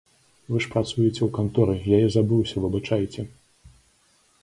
Вы ж працуеце ў канторы, я і забыўся, выбачайце.